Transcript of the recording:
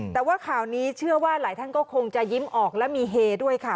แต่ว่าข่าวนี้เชื่อว่าหลายท่านก็คงจะยิ้มออกและมีเฮด้วยค่ะ